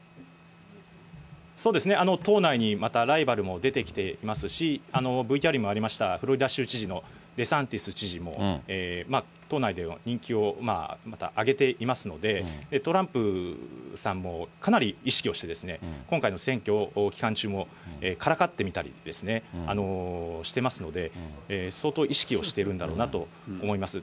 そうですね、党内にまたライバルも出てきてますし、ＶＴＲにもありました、フロリダ州知事のデサンティス知事も、党内での人気をまた上げていますので、トランプさんも、かなり意識をして、今回の選挙期間中もからかってみたりですね、してますので、相当意識をしてるんだろうなと思います。